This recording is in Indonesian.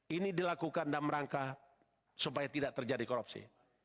ini dilakukan dan merangkap supaya tidak terjadi korupsi